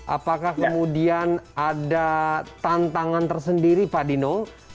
apakah kemudian ada tantangan tersendiri pak dino